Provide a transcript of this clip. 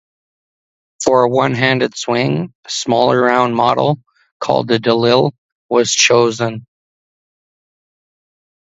For a one-handed swing, a smaller round model, called a delill, was chosen.